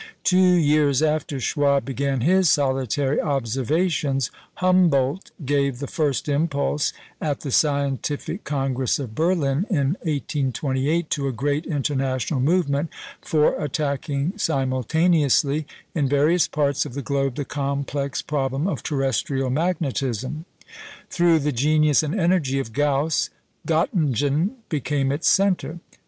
Two years after Schwabe began his solitary observations, Humboldt gave the first impulse, at the Scientific Congress of Berlin in 1828, to a great international movement for attacking simultaneously, in various parts of the globe, the complex problem of terrestrial magnetism. Through the genius and energy of Gauss, Göttingen became its centre.